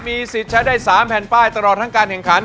มีสิทธิ์ใช้ได้๓แผ่นป้ายตลอดทั้งการแข่งขัน